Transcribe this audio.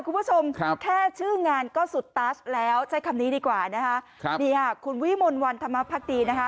คุณผู้ชมแค่ชื่องานก็สุดตั๊ดแล้วใช้คำนี้ดีกว่านะฮะมีคุณวิมนต์วันธรรมภกดีนะฮะ